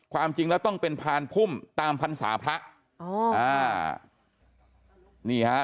ความจริงและต้องเป็นพานพุ่มตามพันธ์ภรรยาภพละ